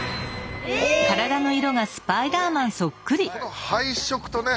この配色とね